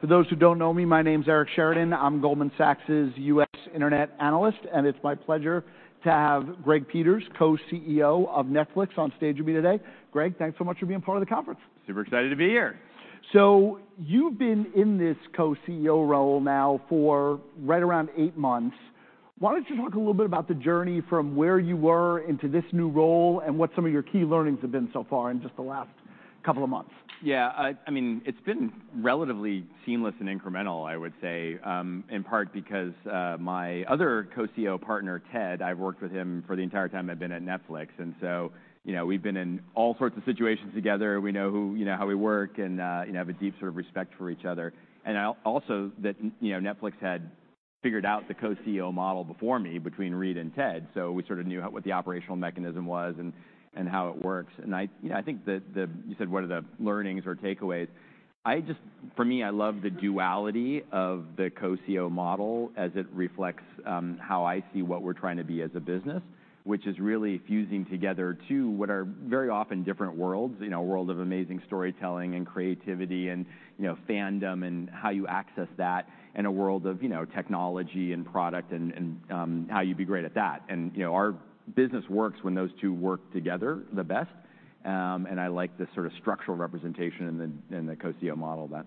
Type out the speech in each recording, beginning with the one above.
For those who don't know me, my name's Eric Sheridan. I'm Goldman Sachs's U.S. Internet analyst, and it's my pleasure to have Greg Peters, Co-CEO of Netflix, on stage with me today. Greg, thanks so much for being part of the conference. Super excited to be here! So you've been in this co-CEO role now for right around eight months. Why don't you talk a little bit about the journey from where you were into this new role and what some of your key learnings have been so far in just the last couple of months? Yeah, I mean, it's been relatively seamless and incremental, I would say, in part because my other co-CEO partner, Ted, I've worked with him for the entire time I've been at Netflix. And so, you know, we've been in all sorts of situations together. We know, you know, how we work and, you know, have a deep sort of respect for each other. And also, that, you know, Netflix had figured out the co-CEO model before me between Reed and Ted, so we sort of knew what the operational mechanism was and how it works. And I, you know, I think the... You said, what are the learnings or takeaways? For me, I love the duality of the co-CEO model as it reflects how I see what we're trying to be as a business, which is really fusing together two, what are very often, different worlds. You know, a world of amazing storytelling and creativity and, you know, fandom, and how you access that, and a world of, you know, technology and product and how you be great at that. You know, our business works when those two work together the best, and I like the sort of structural representation in the co-CEO model then.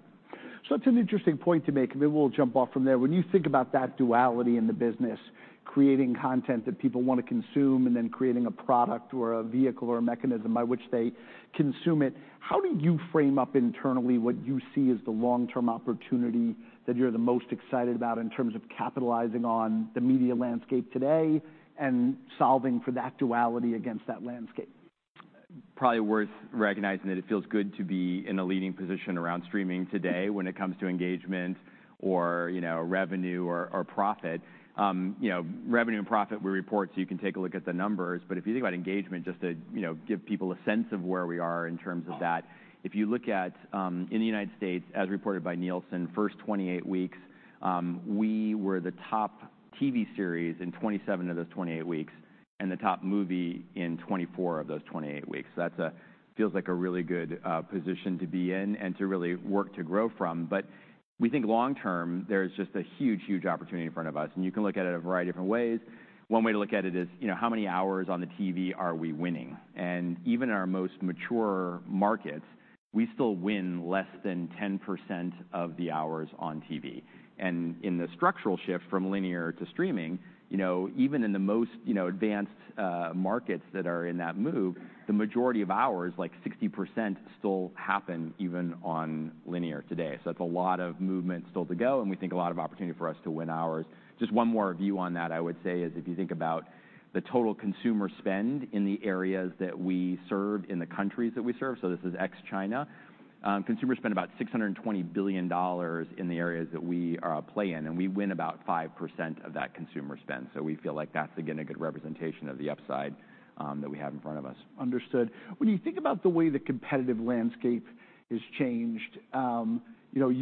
So that's an interesting point to make, and maybe we'll jump off from there. When you think about that duality in the business, creating content that people want to consume and then creating a product or a vehicle or a mechanism by which they consume it, how do you frame up internally what you see as the long-term opportunity that you're the most excited about in terms of capitalizing on the media landscape today and solving for that duality against that landscape? Probably worth recognizing that it feels good to be in a leading position around streaming today when it comes to engagement or, you know, revenue or, or profit. You know, revenue and profit, we report, so you can take a look at the numbers. But if you think about engagement, just to, you know, give people a sense of where we are in terms of that, if you look at, in the United States, as reported by Nielsen, first 28 weeks, we were the top TV series in 27 of those 28 weeks, and the top movie in 24 of those 28 weeks. That's a really good position to be in and to really work to grow from. But we think long term, there's just a huge, huge opportunity in front of us, and you can look at it a variety of different ways. One way to look at it is, you know, how many hours on the TV are we winning? And even in our most mature markets, we still win less than 10% of the hours on TV. And in the structural shift from linear to streaming, you know, even in the most, you know, advanced markets that are in that move, the majority of hours, like 60%, still happen even on linear today. So that's a lot of movement still to go, and we think a lot of opportunity for us to win hours. Just one more view on that, I would say, is if you think about the total consumer spend in the areas that we serve, in the countries that we serve, so this is ex-China. Consumers spend about $620 billion in the areas that we play in, and we win about 5% of that consumer spend. So we feel like that's, again, a good representation of the upside, that we have in front of us. Understood. When you think about the way the competitive landscape has changed, you know,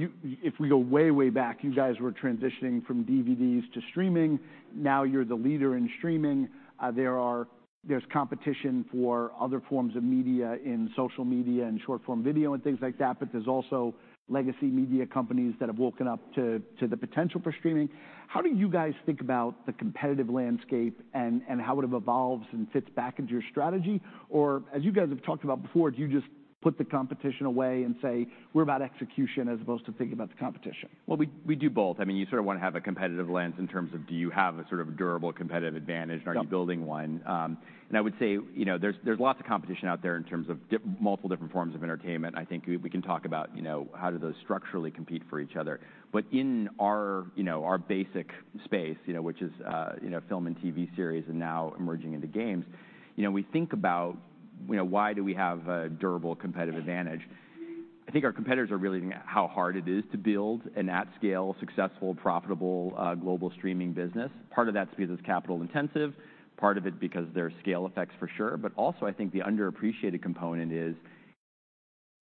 if we go way, way back, you guys were transitioning from DVDs to streaming. Now you're the leader in streaming. There's competition for other forms of media in social media and short-form video and things like that, but there's also legacy media companies that have woken up to the potential for streaming. How do you guys think about the competitive landscape and how it evolves and fits back into your strategy? Or, as you guys have talked about before, do you just put the competition away and say: We're about execution as opposed to thinking about the competition? Well, we do both. I mean, you sort of want to have a competitive lens in terms of do you have a sort of durable, competitive advantage- Yep... and are you building one? And I would say, you know, there's lots of competition out there in terms of multiple different forms of entertainment. I think we can talk about, you know, how do those structurally compete for each other. But in our, you know, our basic space, you know, which is, you know, film and TV series and now emerging into games, you know, we think about, you know, why do we have a durable competitive advantage? I think our competitors are realizing how hard it is to build an at-scale, successful, profitable, global streaming business. Part of that's because it's capital-intensive, part of it because there are scale effects for sure, but also, I think the underappreciated component is,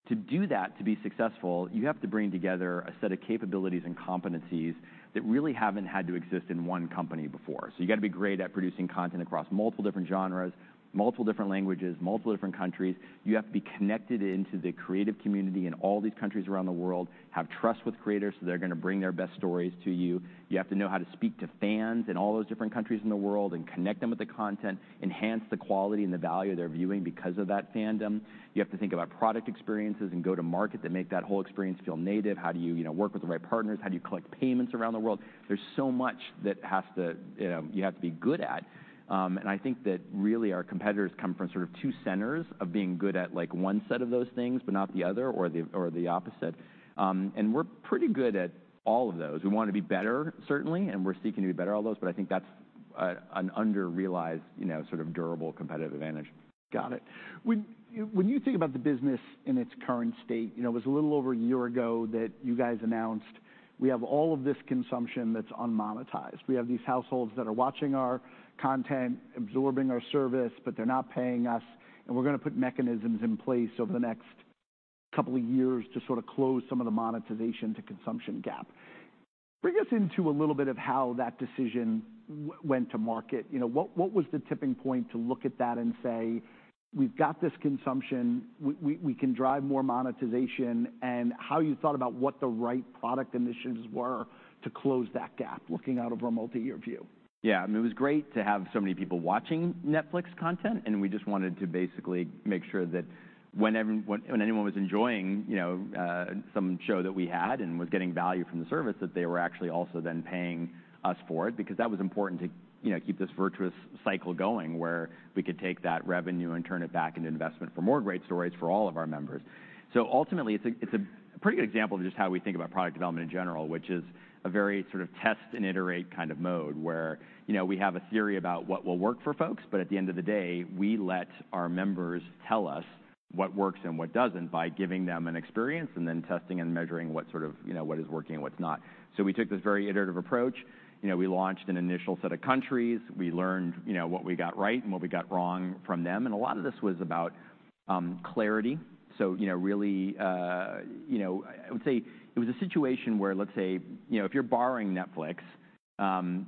to do that, to be successful, you have to bring together a set of capabilities and competencies that really haven't had to exist in one company before. So you've got to be great at producing content across multiple different genres, multiple different languages, multiple different countries. You have to be connected into the creative community in all these countries around the world, have trust with creators, so they're gonna bring their best stories to you. You have to know how to speak to fans in all those different countries in the world and connect them with the content, enhance the quality and the value they're viewing because of that fandom. You have to think about product experiences and go-to-market that make that whole experience feel native. How do you, you know, work with the right partners? How do you collect payments around the world? There's so much that has to... You know, you have to be good at. I think that really our competitors come from sort of two centers of being good at, like, one set of those things, but not the other or the, or the opposite. We're pretty good at all of those. We want to be better, certainly, and we're seeking to be better at all those, but I think that's an under-realized, you know, sort of durable competitive advantage. Got it. When, when you think about the business in its current state, you know, it was a little over a year ago that you guys announced: We have all of this consumption that's unmonetized. We have these households that are watching our content, absorbing our service, but they're not paying us, and we're gonna put mechanisms in place over the next couple of years to sort of close some of the monetization-to-consumption gap.... Bring us into a little bit of how that decision went to market. You know, what, what was the tipping point to look at that and say, "We've got this consumption, we, we, we can drive more monetization," and how you thought about what the right product initiatives were to close that gap, looking out over a multi-year view? Yeah, I mean, it was great to have so many people watching Netflix content, and we just wanted to basically make sure that when anyone was enjoying, you know, some show that we had and was getting value from the service, that they were actually also then paying us for it, because that was important to, you know, keep this virtuous cycle going, where we could take that revenue and turn it back into investment for more great stories for all of our members. So ultimately, it's a pretty good example of just how we think about product development in general, which is a very sort of test and iterate kind of mode, where, you know, we have a theory about what will work for folks, but at the end of the day, we let our members tell us what works and what doesn't, by giving them an experience and then testing and measuring what sort of- you know, what is working and what's not. So we took this very iterative approach. You know, we launched an initial set of countries. We learned, you know, what we got right and what we got wrong from them, and a lot of this was about clarity. So, you know, really... You know, I would say it was a situation where, let's say, you know, if you're borrowing Netflix,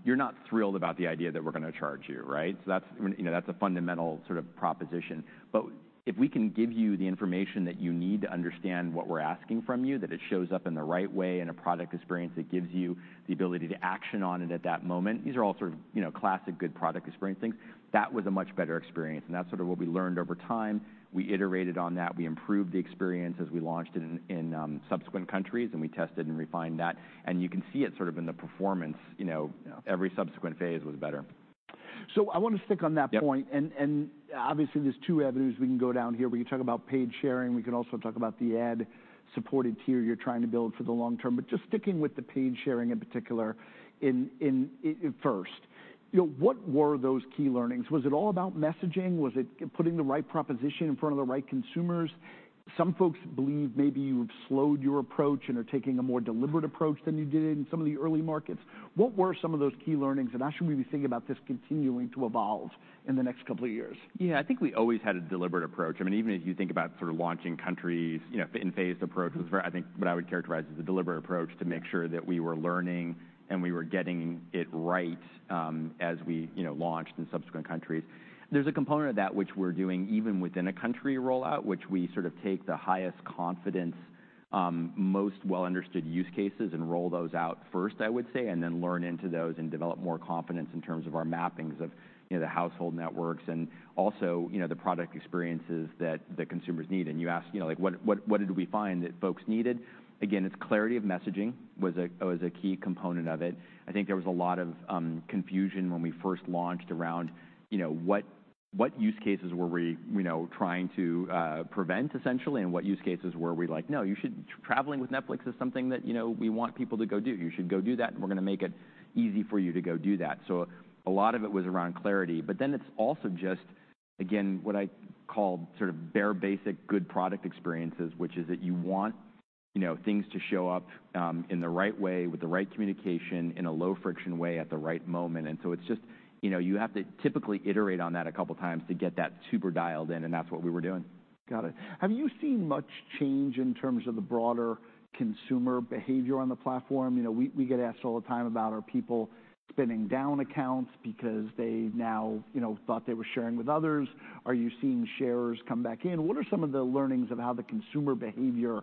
you're not thrilled about the idea that we're gonna charge you, right? So that's, you know, that's a fundamental sort of proposition. But if we can give you the information that you need to understand what we're asking from you, that it shows up in the right way, in a product experience that gives you the ability to action on it at that moment, these are all sort of, you know, classic, good product experience things. That was a much better experience, and that's sort of what we learned over time. We iterated on that. We improved the experience as we launched it in subsequent countries, and we tested and refined that, and you can see it sort of in the performance. You know, every subsequent phase was better. I want to stick on that point. Yep. And obviously, there's two avenues we can go down here. We can talk about paid sharing, we can also talk about the ad-supported tier you're trying to build for the long term. But just sticking with the paid sharing in particular, first, you know, what were those key learnings? Was it all about messaging? Was it putting the right proposition in front of the right consumers? Some folks believe maybe you've slowed your approach and are taking a more deliberate approach than you did in some of the early markets. What were some of those key learnings, and how should we be thinking about this continuing to evolve in the next couple of years? Yeah, I think we always had a deliberate approach. I mean, even as you think about sort of launching countries, you know, in phased approaches, where I think what I would characterize as a deliberate approach to make sure that we were learning and we were getting it right, as we, you know, launched in subsequent countries. There's a component of that which we're doing even within a country rollout, which we sort of take the highest confidence, most well-understood use cases and roll those out first, I would say, and then learn into those and develop more confidence in terms of our mappings of, you know, the household networks and also, you know, the product experiences that the consumers need. And you asked, you know, like, what did we find that folks needed? Again, it's clarity of messaging was a, was a key component of it. I think there was a lot of, confusion when we first launched around, you know, what, what use cases were we, you know, trying to, prevent, essentially, and what use cases were we like, "No, you should... Traveling with Netflix is something that, you know, we want people to go do. You should go do that, and we're gonna make it easy for you to go do that." So a lot of it was around clarity, but then it's also just, again, what I call sort of bare-basic, good product experiences, which is that you want, you know, things to show up, in the right way, with the right communication, in a low-friction way, at the right moment. And so it's just... You know, you have to typically iterate on that a couple times to get that super dialed in, and that's what we were doing. Got it. Have you seen much change in terms of the broader consumer behavior on the platform? You know, we, we get asked all the time about, are people spinning down accounts because they now, you know, thought they were sharing with others? Are you seeing sharers come back in? What are some of the learnings of how the consumer behavior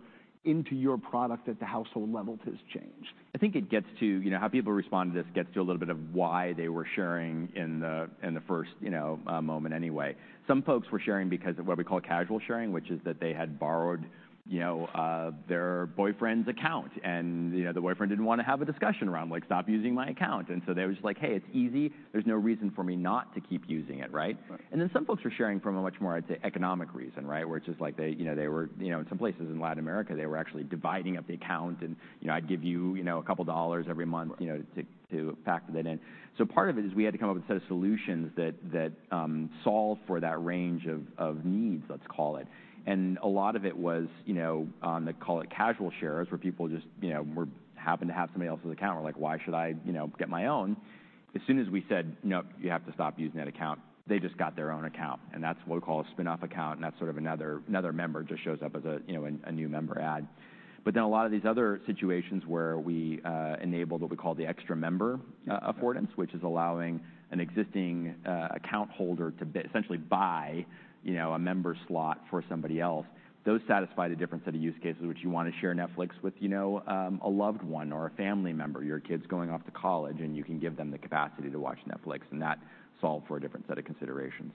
into your product at the household level has changed? I think it gets to, you know, how people respond to this, gets to a little bit of why they were sharing in the, in the first, you know, moment anyway. Some folks were sharing because of what we call casual sharing, which is that they had borrowed, you know, their boyfriend's account, and, you know, the boyfriend didn't want to have a discussion around, like, "Stop using my account." And so they were just like, "Hey, it's easy. There's no reason for me not to keep using it," right? Right. And then some folks were sharing from a much more, I'd say, economic reason, right? Where it's just like they, you know, you know, in some places in Latin America, they were actually dividing up the account, and, you know, "I'd give you, you know, a couple dollars every month- Right.... You know, to factor that in." So part of it is, we had to come up with a set of solutions that solved for that range of needs, let's call it. And a lot of it was, you know, they call it casual sharers, where people just, you know, happened to have somebody else's account, or like, "Why should I, you know, get my own?" As soon as we said, "Nope, you have to stop using that account," they just got their own account, and that's what we call a spin-off account, and that's sort of another member just shows up as a, you know, a new member add. But then a lot of these other situations where we enabled what we call the extra member affordance- Yeah... Which is allowing an existing account holder to essentially buy, you know, a member slot for somebody else, those satisfy the different set of use cases, which you wanna share Netflix with, you know, a loved one or a family member, your kids going off to college, and you can give them the capacity to watch Netflix, and that solved for a different set of considerations.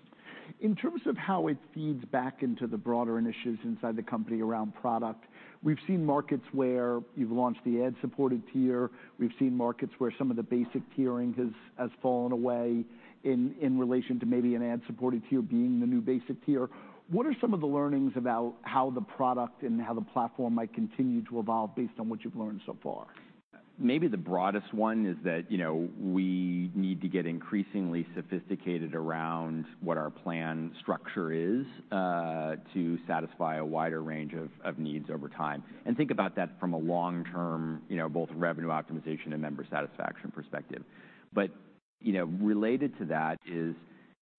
In terms of how it feeds back into the broader initiatives inside the company around product, we've seen markets where you've launched the ad-supported tier. We've seen markets where some of the basic tiering has fallen away in relation to maybe an ad-supported tier being the new basic tier. What are some of the learnings about how the product and how the platform might continue to evolve based on what you've learned so far? Maybe the broadest one is that, you know, we need to get increasingly sophisticated around what our plan structure is, to satisfy a wider range of, of needs over time. And think about that from a long-term, you know, both revenue optimization and member satisfaction perspective. But, you know, related to that is...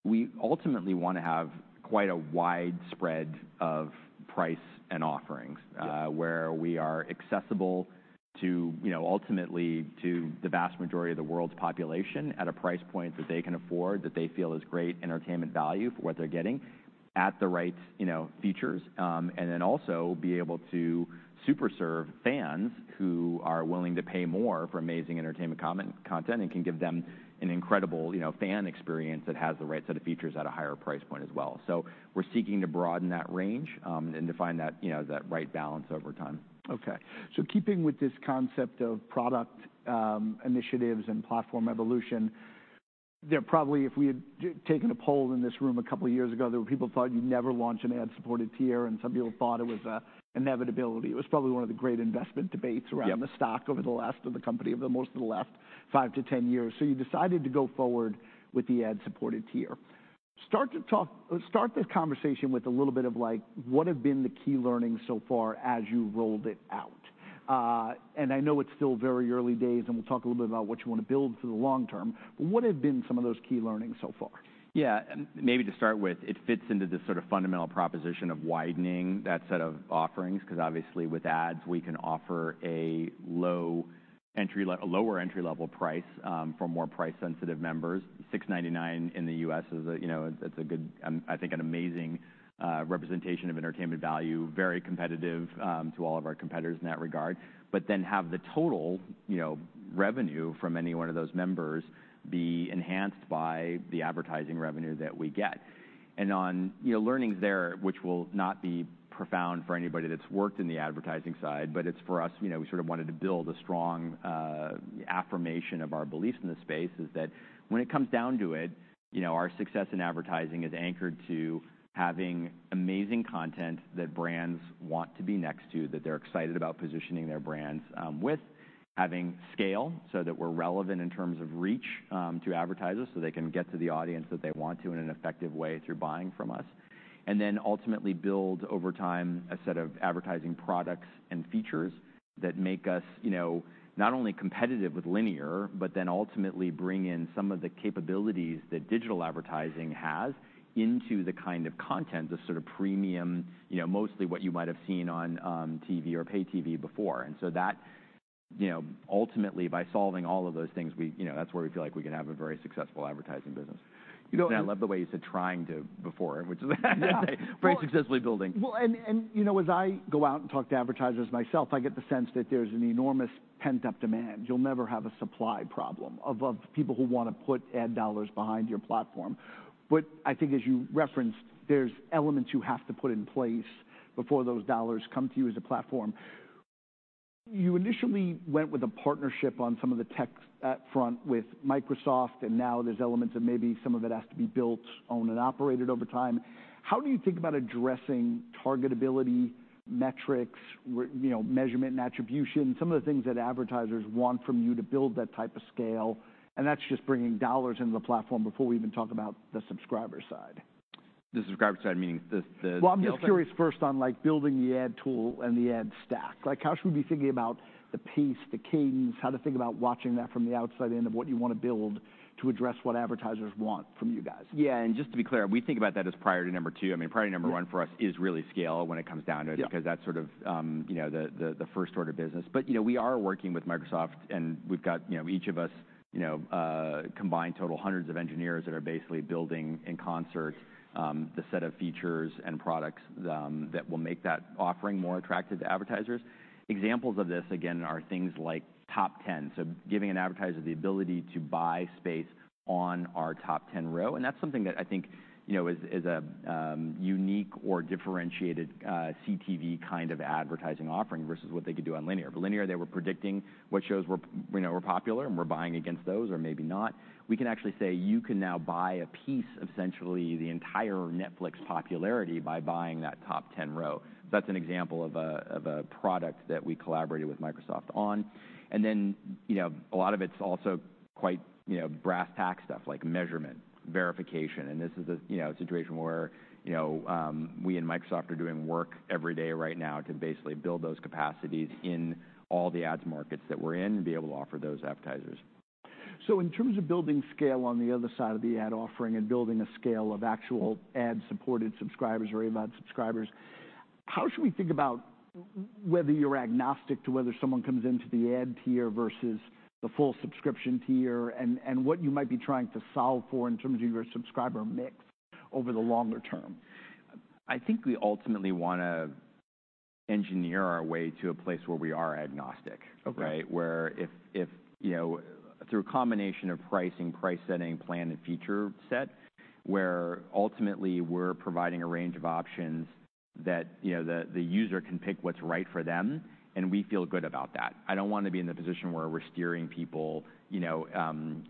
We ultimately wanna have quite a wide spread of price and offerings. Yeah. where we are accessible to, you know, ultimately to the vast majority of the world's population at a price point that they can afford, that they feel is great entertainment value for what they're getting, at the right, you know, features. And then also be able to super serve fans who are willing to pay more for amazing entertainment content, and can give them an incredible, you know, fan experience that has the right set of features at a higher price point as well. So we're seeking to broaden that range, and to find that, you know, that right balance over time. Okay. So keeping with this concept of product initiatives and platform evolution, there probably, if we had taken a poll in this room a couple of years ago, there were people who thought you'd never launch an ad-supported tier, and some people thought it was an inevitability. It was probably one of the great investment debates- Yep Around the stock over the last, of the company, over most of the last 5-10 years. So you decided to go forward with the ad-supported tier. Start to talk—Let's start this conversation with a little bit of like, what have been the key learnings so far as you rolled it out? And I know it's still very early days, and we'll talk a little bit about what you want to build for the long term, but what have been some of those key learnings so far? Yeah, maybe to start with, it fits into this sort of fundamental proposition of widening that set of offerings, 'cause obviously, with ads, we can offer a low entry le-- a lower entry-level price, for more price-sensitive members. $6.99 in the U.S. is a, you know, it's a good, I think, an amazing, representation of entertainment value, very competitive, to all of our competitors in that regard. But then have the total, you know, revenue from any one of those members be enhanced by the advertising revenue that we get. On, you know, learnings there, which will not be profound for anybody that's worked in the advertising side, but it's for us, you know, we sort of wanted to build a strong affirmation of our beliefs in this space, is that when it comes down to it, you know, our success in advertising is anchored to having amazing content that brands want to be next to, that they're excited about positioning their brands with. Having scale, so that we're relevant in terms of reach to advertisers, so they can get to the audience that they want to in an effective way through buying from us. And then ultimately build, over time, a set of advertising products and features that make us, you know, not only competitive with linear, but then ultimately bring in some of the capabilities that digital advertising has into the kind of content, the sort of premium, you know, mostly what you might have seen on TV or pay TV before. And so that, you know, ultimately, by solving all of those things, we, you know, that's where we feel like we can have a very successful advertising business. You know, I love the way you said, "Trying to," before, which is - Yeah. Very successfully building. Well, and, and, you know, as I go out and talk to advertisers myself, I get the sense that there's an enormous pent-up demand. You'll never have a supply problem of, of people who wanna put ad dollars behind your platform. But I think as you referenced, there's elements you have to put in place before those dollars come to you as a platform. You initially went with a partnership on some of the tech front with Microsoft, and now there's elements of maybe some of it has to be built, owned, and operated over time. How do you think about addressing targetability, metrics, you know, measurement and attribution, some of the things that advertisers want from you to build that type of scale, and that's just bringing dollars into the platform before we even talk about the subscriber side? The subscriber side, meaning the scale side? Well, I'm just curious first on, like, building the ad tool and the ad stack. Like, how should we be thinking about the pace, the cadence, how to think about watching that from the outside in of what you want to build to address what advertisers want from you guys? Yeah, and just to be clear, we think about that as priority number 2. I mean, priority number 1 for us- Yeah is really scale when it comes down to it. Yeah. Because that's sort of, you know, the first order of business. But, you know, we are working with Microsoft, and we've got, you know, each of us, you know, combined total hundreds of engineers that are basically building in concert the set of features and products that will make that offering more attractive to advertisers. Examples of this, again, are things like Top 10. So giving an advertiser the ability to buy space on our Top 10 row, and that's something that I think, you know, is a unique or differentiated CTV kind of advertising offering versus what they could do on linear. But linear, they were predicting what shows were, we know, were popular and were buying against those, or maybe not. We can actually say, "You can now buy a piece of essentially the entire Netflix popularity by buying that Top 10 row." That's an example of a product that we collaborated with Microsoft on. And then, you know, a lot of it's also quite, you know, brass-tacks stuff like measurement, verification, and this is a, you know, situation where, you know, we and Microsoft are doing work every day right now to basically build those capacities in all the ads markets that we're in and be able to offer those advertisers. So in terms of building scale on the other side of the ad offering and building a scale of actual ad-supported subscribers or about subscribers, how should we think about whether you're agnostic to whether someone comes into the ad tier versus the full subscription tier, and what you might be trying to solve for in terms of your subscriber mix over the longer term? I think we ultimately wanna engineer our way to a place where we are agnostic. Okay. Right? Where if you know, through a combination of pricing, price setting, plan, and feature set, where ultimately we're providing a range of options that, you know, the user can pick what's right for them, and we feel good about that. I don't want to be in the position where we're steering people, you know,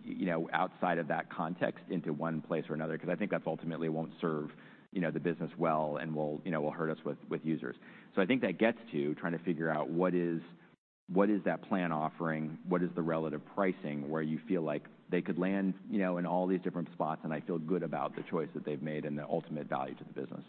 you know, outside of that context into one place or another, because I think that ultimately won't serve, you know, the business well and will, you know, hurt us with users. So I think that gets to trying to figure out what is that plan offering? What is the relative pricing where you feel like they could land, you know, in all these different spots, and I feel good about the choice that they've made and the ultimate value to the business? ...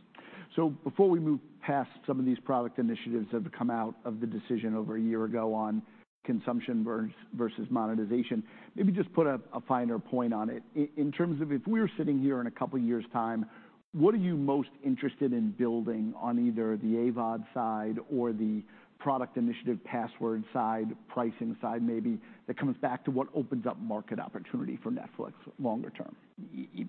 So before we move past some of these product initiatives that have come out of the decision over a year ago on consumption versus monetization, maybe just put a finer point on it. In terms of if we were sitting here in a couple of years' time, what are you most interested in building on either the AVOD side or the product initiative, password side, pricing side, maybe, that comes back to what opens up market opportunity for Netflix longer term?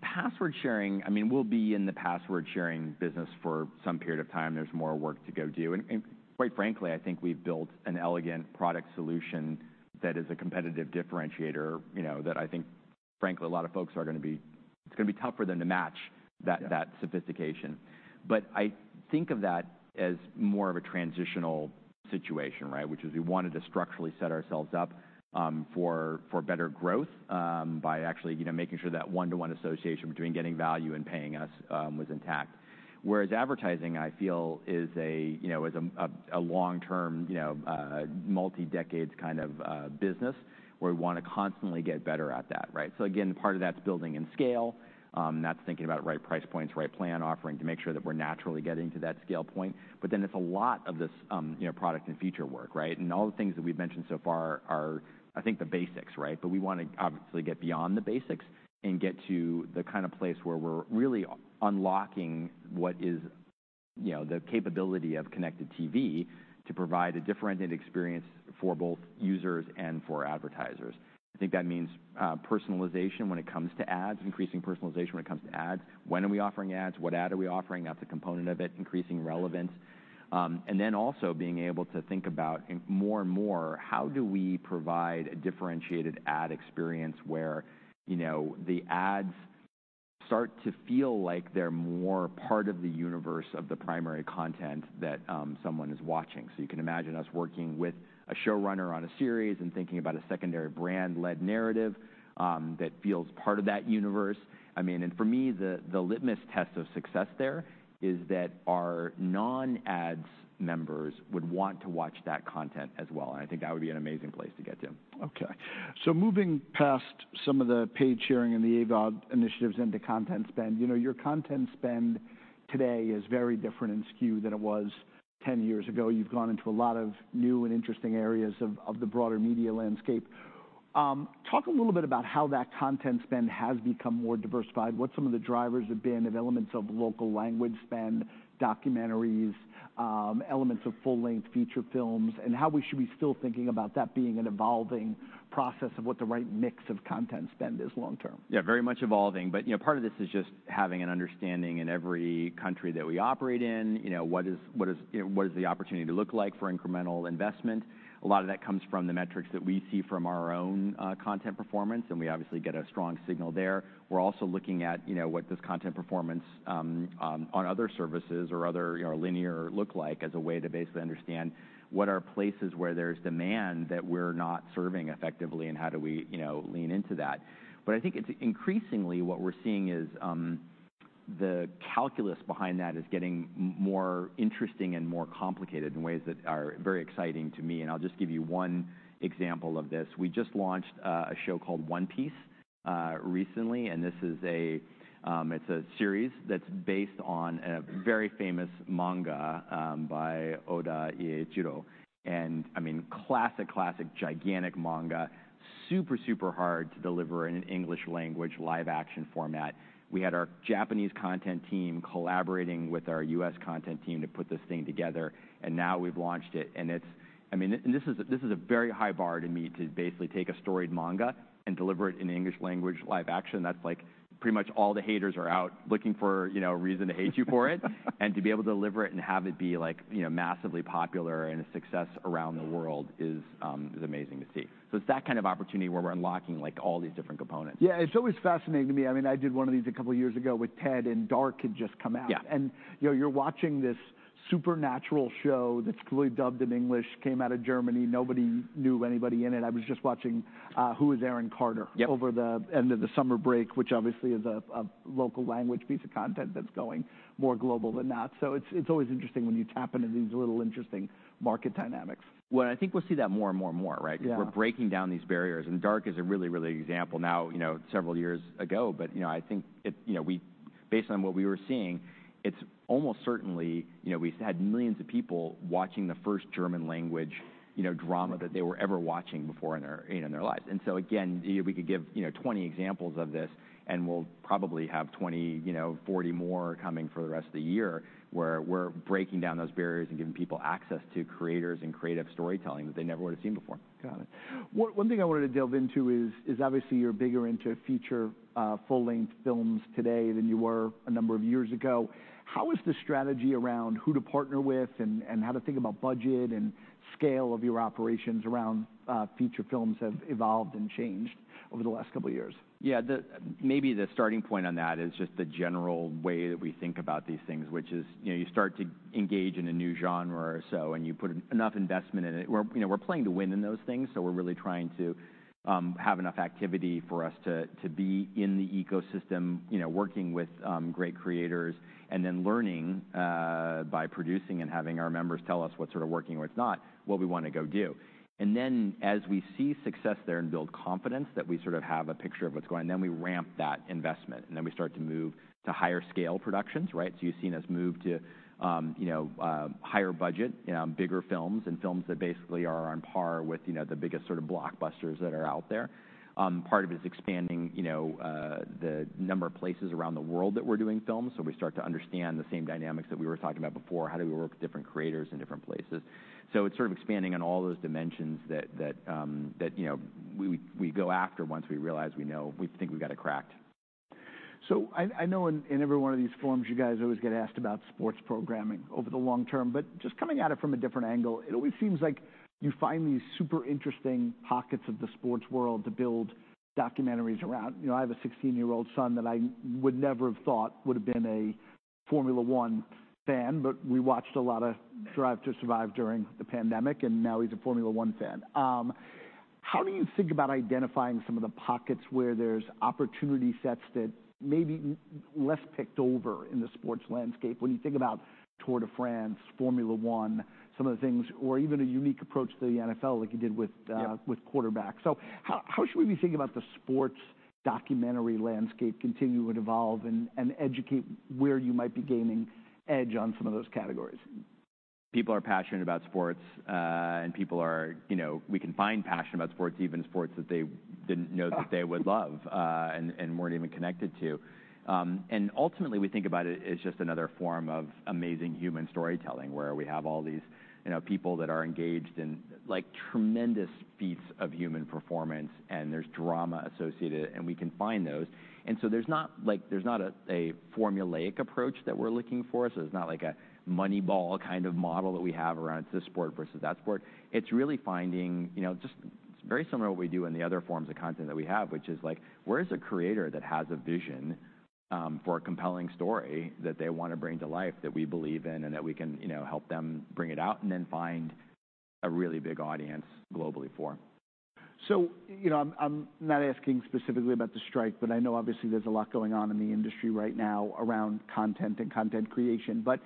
Password sharing, I mean, we'll be in the password-sharing business for some period of time. There's more work to go do, and, and quite frankly, I think we've built an elegant product solution that is a competitive differentiator, you know, that I think, frankly, a lot of folks are gonna be... It's gonna be tough for them to match that- Yeah... that sophistication. But I think of that as more of a transitional situation, right? Which is, we wanted to structurally set ourselves up, for better growth, by actually, you know, making sure that one-to-one association between getting value and paying us, was intact. Whereas advertising, I feel is a, you know, is a long-term, you know, business, where we wanna constantly get better at that, right? So again, part of that's building in scale, that's thinking about right price points, right plan offering, to make sure that we're naturally getting to that scale point. But then it's a lot of this, you know, product and feature work, right? And all the things that we've mentioned so far are, I think, the basics, right? But we wanna obviously get beyond the basics and get to the kind of place where we're really unlocking what is, you know, the capability of connected TV to provide a differentiated experience for both users and for advertisers. I think that means, personalization when it comes to ads, increasing personalization when it comes to ads. When are we offering ads? What ad are we offering? That's a component of it, increasing relevance. And then also being able to think about, and more and more, how do we provide a differentiated ad experience where, you know, the ads start to feel like they're more part of the universe of the primary content that, someone is watching? So you can imagine us working with a showrunner on a series and thinking about a secondary brand-led narrative, that feels part of that universe. I mean, and for me, the litmus test of success there is that our non-ads members would want to watch that content as well, and I think that would be an amazing place to get to. Okay. So moving past some of the paid sharing and the AVOD initiatives into content spend, you know, your content spend today is very different and skewed than it was 10 years ago. You've gone into a lot of new and interesting areas of the broader media landscape. Talk a little bit about how that content spend has become more diversified, what some of the drivers have been, of elements of local language spend, documentaries, elements of full-length feature films, and how we should be still thinking about that being an evolving process of what the right mix of content spend is long term. Yeah, very much evolving, but, you know, part of this is just having an understanding in every country that we operate in, you know, what is, you know, what does the opportunity look like for incremental investment? A lot of that comes from the metrics that we see from our own, content performance, and we obviously get a strong signal there. We're also looking at, you know, what does content performance, on other services or other, you know, linear look like, as a way to basically understand what are places where there's demand that we're not serving effectively, and how do we, you know, lean into that? But I think it's increasingly what we're seeing is, the calculus behind that is getting more interesting and more complicated in ways that are very exciting to me, and I'll just give you one example of this. We just launched a show called One Piece recently, and this is a. It's a series that's based on a very famous manga by Eiichiro Oda, and, I mean, classic, classic, gigantic manga. Super, super hard to deliver in an English language, live-action format. We had our Japanese content team collaborating with our U.S. content team to put this thing together, and now we've launched it, and it's. I mean, this is a, this is a very high bar to meet, to basically take a storied manga and deliver it in English language, live action. That's like pretty much all the haters are out, looking for, you know, a reason to hate you for it. And to be able to deliver it and have it be, like, you know, massively popular and a success around the world is amazing to see. So it's that kind of opportunity where we're unlocking, like, all these different components. Yeah, it's always fascinating to me. I mean, I did one of these a couple years ago with Ted, and Dark had just come out. Yeah. You know, you're watching this supernatural show that's completely dubbed in English, came out of Germany. Nobody knew anybody in it. I was just watching, Who Is Erin Carter? Yep. Over the end of the summer break, which obviously is a local language piece of content that's going more global than not. So it's always interesting when you tap into these little interesting market dynamics. Well, I think we'll see that more and more and more, right? Yeah. We're breaking down these barriers, and Dark is a really, really good example now, you know, several years ago. But, you know, I think it... You know, we, based on what we were seeing, it's almost certainly, you know, we've had millions of people watching the first German language, you know, drama- Yeah... that they were ever watching before in their, you know, in their lives. And so again, we could give, you know, 20 examples of this, and we'll probably have 20, you know, 40 more coming for the rest of the year, where we're breaking down those barriers and giving people access to creators and creative storytelling that they never would've seen before. Got it. One, one thing I wanted to delve into is obviously you're bigger into feature, full-length films today than you were a number of years ago. How has the strategy around who to partner with and how to think about budget and scale of your operations around, feature films have evolved and changed over the last couple of years? Yeah, maybe the starting point on that is just the general way that we think about these things, which is, you know, you start to engage in a new genre or so, and you put enough investment in it. We're, you know, we're playing to win in those things, so we're really trying to have enough activity for us to be in the ecosystem, you know, working with great creators and then learning by producing and having our members tell us what's sort of working or what's not, what we want to go do. And then, as we see success there and build confidence that we sort of have a picture of what's going, then we ramp that investment, and then we start to move to higher scale productions, right? So you've seen us move to, you know, higher budget, you know, bigger films and films that basically are on par with, you know, the biggest sort of blockbusters that are out there. Part of it's expanding, you know, the number of places around the world that we're doing films, so we start to understand the same dynamics that we were talking about before. How do we work with different creators in different places? So it's sort of expanding on all those dimensions that you know we go after once we realize we know, we think we've got a crack at it.... So I know in every one of these forums, you guys always get asked about sports programming over the long term, but just coming at it from a different angle, it always seems like you find these super interesting pockets of the sports world to build documentaries around. You know, I have a 16-year-old son that I would never have thought would've been a Formula 1 fan, but we watched a lot of Drive to Survive during the pandemic, and now he's a Formula 1 fan. How do you think about identifying some of the pockets where there's opportunity sets that may be less picked over in the sports landscape? When you think about Tour de France, Formula 1, some of the things- or even a unique approach to the NFL, like you did with, Yeah... with Quarterback. So how should we be thinking about the sports documentary landscape continue to evolve and educate where you might be gaining edge on some of those categories? People are passionate about sports, and people are, you know, we can find passion about sports, even sports that they didn't know that they would love, and weren't even connected to. And ultimately, we think about it as just another form of amazing human storytelling, where we have all these, you know, people that are engaged in, like, tremendous feats of human performance, and there's drama associated, and we can find those. And so there's not, like, there's not a formulaic approach that we're looking for, so it's not like a Moneyball kind of model that we have around this sport versus that sport. It's really finding, you know, just very similar to what we do in the other forms of content that we have, which is, like, where is a creator that has a vision, for a compelling story that they wanna bring to life, that we believe in, and that we can, you know, help them bring it out, and then find a really big audience globally for? So, you know, I'm not asking specifically about the strike, but I know obviously there's a lot going on in the industry right now around content and content creation. But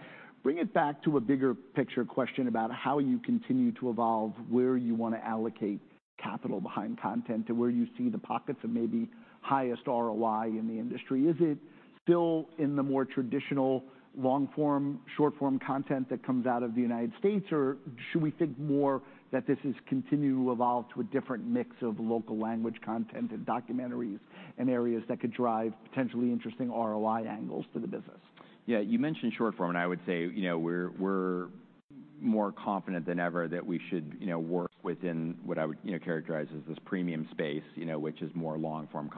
bring it back to a bigger picture question about how you continue to evolve, where you wanna allocate capital behind content, and where you see the pockets of maybe highest ROI in the industry. Is it still in the more traditional long-form, short-form content that comes out of the United States, or should we think more that this has continually evolved to a different mix of local language content and documentaries, and areas that could drive potentially interesting ROI angles to the business? Yeah, you mentioned short form, and I would say, you know, we're more confident than ever that we should, you know, work within what I would, you know, characterize as this premium space, you know, which is more long-form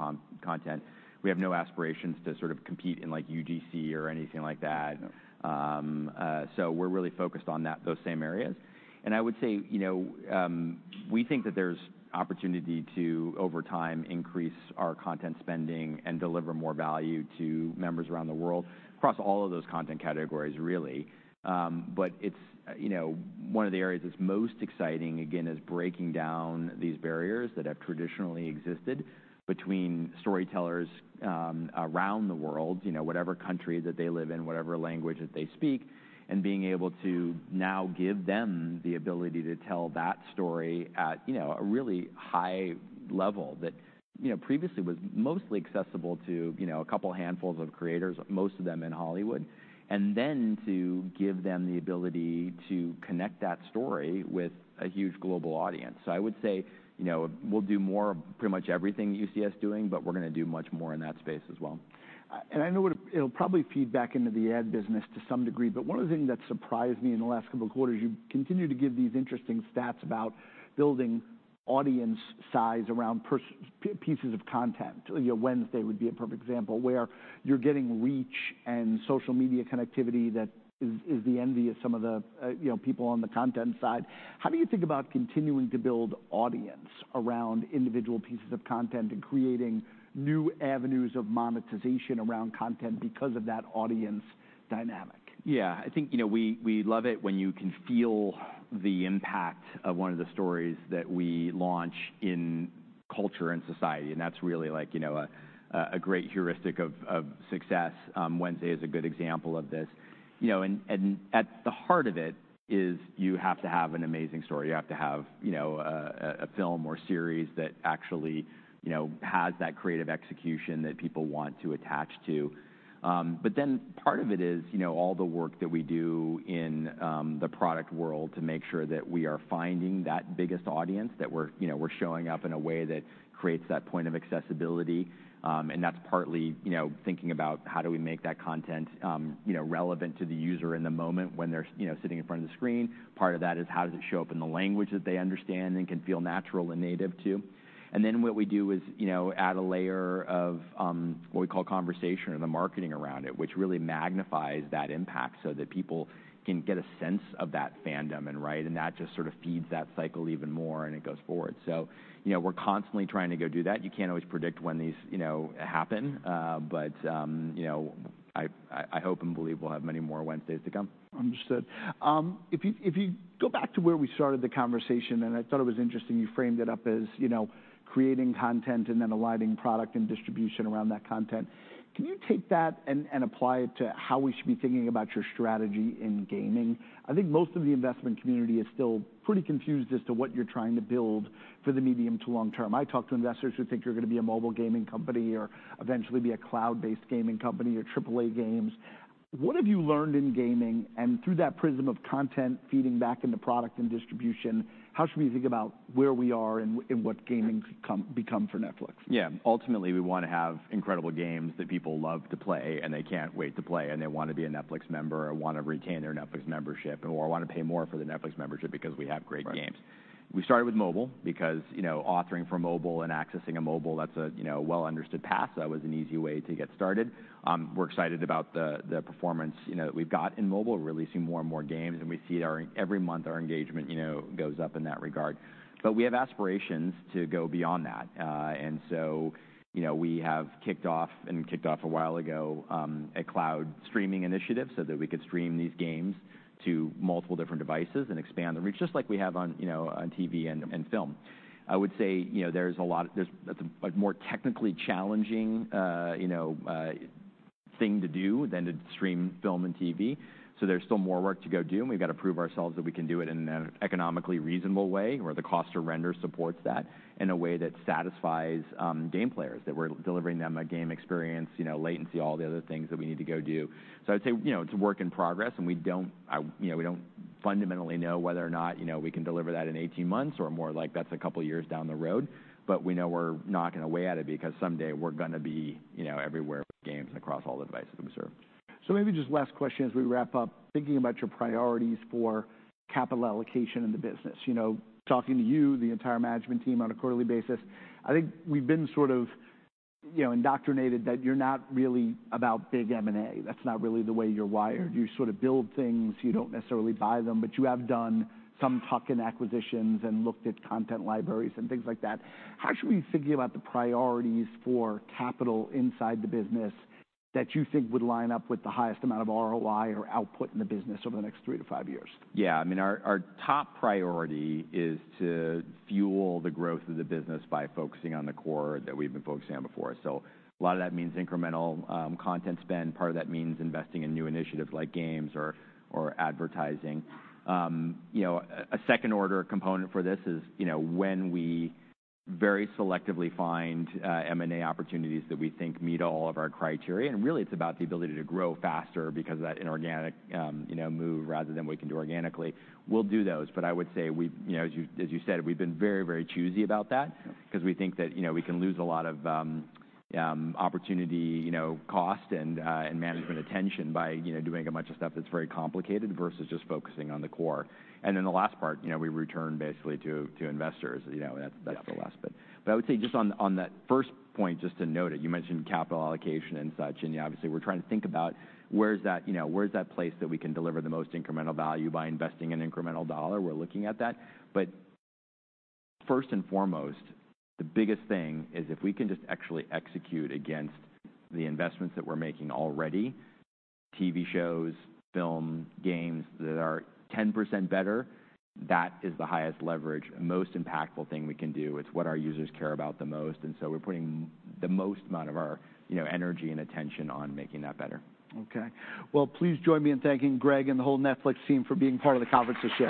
content. We have no aspirations to sort of compete in, like, UGC or anything like that. No. So we're really focused on that, those same areas. And I would say, you know, we think that there's opportunity to, over time, increase our content spending and deliver more value to members around the world across all of those content categories, really. But it's, you know, one of the areas that's most exciting, again, is breaking down these barriers that have traditionally existed between storytellers, around the world, you know, whatever country that they live in, whatever language that they speak, and being able to now give them the ability to tell that story at, you know, a really high level, that, you know, previously was mostly accessible to, you know, a couple handfuls of creators, most of them in Hollywood. And then to give them the ability to connect that story with a huge global audience. I would say, you know, we'll do more of pretty much everything you see us doing, but we're gonna do much more in that space as well. And I know it'll probably feed back into the ad business to some degree, but one of the things that surprised me in the last couple of quarters, you continue to give these interesting stats about building audience size around pieces of content. You know, Wednesday would be a perfect example, where you're getting reach and social media connectivity that is the envy of some of the, you know, people on the content side. How do you think about continuing to build audience around individual pieces of content and creating new avenues of monetization around content because of that audience dynamic? Yeah. I think, you know, we love it when you can feel the impact of one of the stories that we launch in culture and society, and that's really like, you know, a great heuristic of success. Wednesday is a good example of this. You know, and at the heart of it is you have to have an amazing story. You have to have, you know, a film or series that actually, you know, has that creative execution that people want to attach to. But then part of it is, you know, all the work that we do in the product world to make sure that we are finding that biggest audience, that we're, you know, we're showing up in a way that creates that point of accessibility. And that's partly, you know, thinking about how do we make that content, you know, relevant to the user in the moment when they're, you know, sitting in front of the screen. Part of that is how does it show up in the language that they understand and can feel natural and native to? And then what we do is, you know, add a layer of what we call conversation or the marketing around it, which really magnifies that impact so that people can get a sense of that fandom and, right? And that just sort of feeds that cycle even more, and it goes forward. So, you know, we're constantly trying to go do that. You can't always predict when these, you know, happen, but, you know, I hope and believe we'll have many more Wednesdays to come. Understood. If you go back to where we started the conversation, and I thought it was interesting, you framed it up as, you know, creating content and then aligning product and distribution around that content. Can you take that and apply it to how we should be thinking about your strategy in gaming? I think most of the investment community is still pretty confused as to what you're trying to build for the medium to long term. I talked to investors who think you're gonna be a mobile gaming company or eventually be a cloud-based gaming company or AAA games. What have you learned in gaming, and through that prism of content feeding back into product and distribution, how should we think about where we are and what gaming's become for Netflix? Yeah. Ultimately, we wanna have incredible games that people love to play, and they can't wait to play, and they wanna be a Netflix member, or wanna retain their Netflix membership, or wanna pay more for the Netflix membership because we have great games. Right. We started with mobile because, you know, authoring for mobile and accessing a mobile, that's, you know, a well-understood path. That was an easy way to get started. We're excited about the performance, you know, that we've got in mobile. We're releasing more and more games, and we see it our... Every month, our engagement, you know, goes up in that regard. But we have aspirations to go beyond that. And so, you know, we have kicked off a while ago a cloud streaming initiative so that we could stream these games to multiple different devices and expand the reach, just like we have on, you know, on TV and film. I would say, you know, it's a more technically challenging, you know, thing to do than to stream film and TV, so there's still more work to go do. And we've gotta prove ourselves that we can do it in an economically reasonable way, where the cost to render supports that, in a way that satisfies game players. That we're delivering them a game experience, you know, latency, all the other things that we need to go do. So I'd say, you know, it's a work in progress, and we don't, you know, we don't fundamentally know whether or not, you know, we can deliver that in 18 months or more like that's a couple years down the road. But we know we're knocking away at it because someday we're gonna be, you know, everywhere with games and across all the devices we serve. Maybe just last question as we wrap up. Thinking about your priorities for capital allocation in the business. You know, talking to you, the entire management team on a quarterly basis, I think we've been sort of, you know, indoctrinated that you're not really about big M&A. That's not really the way you're wired. You sort of build things. You don't necessarily buy them. But you have done some tuck-in acquisitions and looked at content libraries and things like that. How should we think about the priorities for capital inside the business that you think would line up with the highest amount of ROI or output in the business over the next 3-5 years? Yeah. I mean, our top priority is to fuel the growth of the business by focusing on the core that we've been focusing on before. So a lot of that means incremental content spend. Part of that means investing in new initiatives like games or advertising. You know, a second-order component for this is, you know, when we very selectively find M&A opportunities that we think meet all of our criteria, and really, it's about the ability to grow faster because of that inorganic move rather than we can do organically, we'll do those. But I would say we've, you know, as you said, we've been very, very choosy about that- Yeah... 'cause we think that, you know, we can lose a lot of opportunity, you know, cost and management attention by, you know, doing a bunch of stuff that's very complicated versus just focusing on the core. And then the last part, you know, we return basically to investors. You know, that's the last bit. Yeah. But I would say just on that first point, just to note it, you mentioned capital allocation and such, and yeah, obviously, we're trying to think about where is that, you know, where is that place that we can deliver the most incremental value by investing in incremental dollar? We're looking at that. But first and foremost, the biggest thing is if we can just actually execute against the investments that we're making already, TV shows, film, games, that are 10% better, that is the highest leverage, most impactful thing we can do. It's what our users care about the most, and so we're putting the most amount of our, you know, energy and attention on making that better. Okay. Well, please join me in thanking Greg and the whole Netflix team for being part of the conference this year.